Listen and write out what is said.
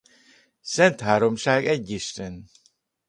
Szentháromság egy Isten!